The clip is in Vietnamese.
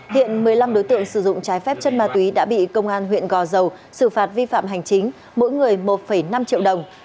hiện một mươi năm đối tượng sử dụng trái phép chân ma túy đã bị công an huyện gò dầu xử phạt vi phạm hành chính mỗi người một năm triệu đồng